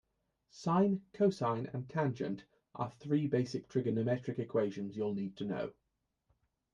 Sine, cosine and tangent are three basic trigonometric equations you'll need to know.